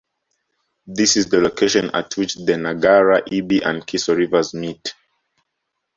This is the location at which the Nagara, Ibi, and Kiso rivers meet.